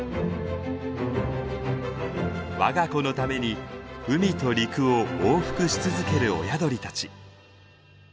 我が子のために海と陸を往復し続ける親鳥たち。